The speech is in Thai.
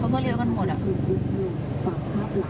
ก็ต้องมาถึงจุดตรงนี้ก่อนใช่ไหม